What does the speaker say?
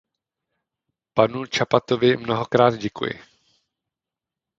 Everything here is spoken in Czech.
Panu Cappatovi mnohokrát děkuji.